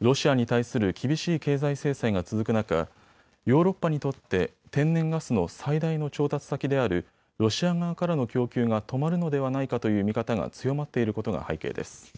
ロシアに対する厳しい経済制裁が続く中、ヨーロッパにとって天然ガスの最大の調達先であるロシア側からの供給が止まるのではないかという見方が強まっていることが背景です。